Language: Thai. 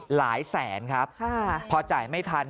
หลายแสนครับพอจ่ายไม่ทัน